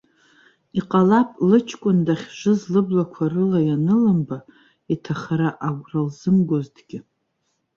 Иҟалап, лыҷкәын дахьжыз лыблақәа рыла ианылымба, иҭахара агәра лзымгозҭгьы.